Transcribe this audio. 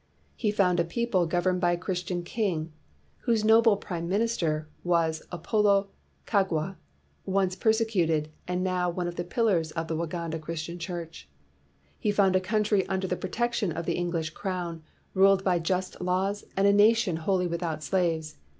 He found a people gov 273 WHITE MAN OF WORK erned by a Christian king whose noble prime minister was Apolo Kagwa, once persecuted, and now one of the pillars of the Waganda Christian Church. He found a country un der the protection of the English crown, ruled by just laws, and a nation wholly without slaves.